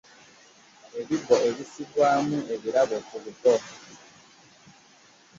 Ebibbo bisibwamu ebirabo ku buko.